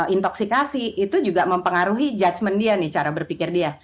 intoksikasi itu juga mempengaruhi judgement dia nih cara berpikir dia